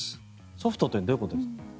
ソフトというのはどういうことですか？